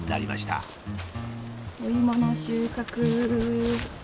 お芋の収穫！